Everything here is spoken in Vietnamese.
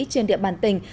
trên địa bàn tỉnh